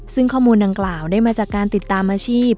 ซึ่งข้อมูลดังกล่าวได้มาจากการติดตามอาชีพ